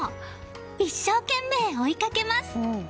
一生懸命追いかけます。